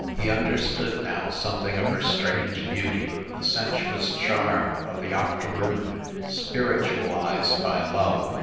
He un derstood, now, something of her strange beauty the sensuous charm of the octoroon spiritualized by love.